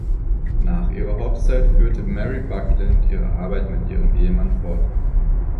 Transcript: Nach ihrer Hochzeit führte Mary Buckland ihre Arbeit mit ihrem Ehemann fort.